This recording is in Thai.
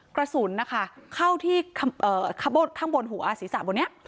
กระสุนนะคะเข้าที่ข้างบนหัวศีรษะบนนี้